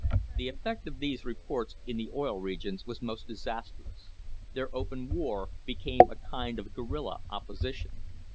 The effect of these reports in the Oil Regions was most disastrous. Their open war became a kind of guerilla opposition.